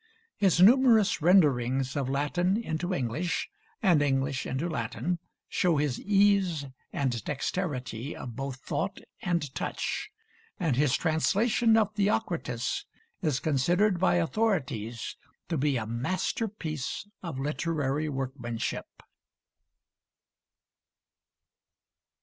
His numerous renderings of Latin into English and English into Latin show his ease and dexterity of both thought and touch, and his translation of Theocritus is considered by authorities to be a masterpiece of literary workmanship.